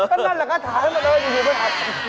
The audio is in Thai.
ก็นั่นแหละก็ถามเขาเลยไข่ไหม